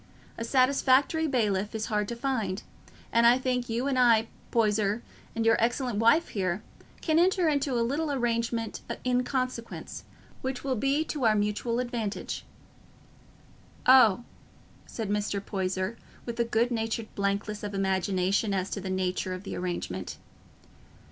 A satisfactory bailiff is hard to find; and I think you and I, Poyser, and your excellent wife here, can enter into a little arrangement in consequence, which will be to our mutual advantage." "Oh," said Mr. Poyser, with a good natured blankness of imagination as to the nature of the arrangement.